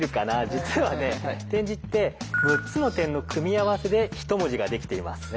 実はね点字って６つの点の組み合わせで一文字ができています。